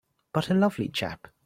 But a lovely chap!